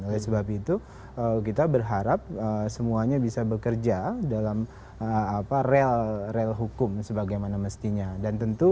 oleh sebab itu kita berharap semuanya bisa bekerja dalam rel hukum sebagaimana mestinya